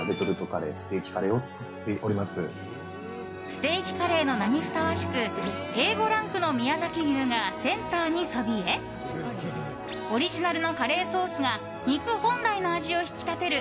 ステーキカレーの名にふさわしくＡ５ランクの宮崎牛がセンターにそびえオリジナルのカレーソースが肉本来の味を引き立てる